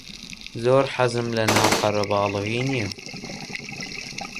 زۆر حەزم لەناو قەرەباڵغی نییە.